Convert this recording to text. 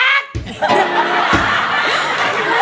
เดินผมแตก